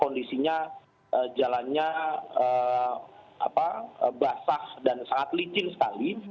kondisinya jalannya basah dan sangat licin sekali